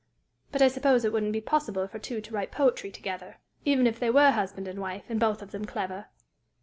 But I suppose it wouldn't be possible for two to write poetry together, even if they were husband and wife, and both of them clever!"